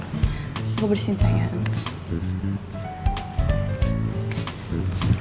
aku bersihin sayang